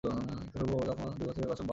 ধ্রুব তখন দুই বৎসরের বালক ছিল।